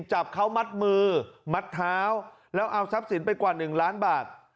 จับเขามัดมือมัดเท้าแล้วเอาทรัพย์สินไปกว่า๑ล้านบาท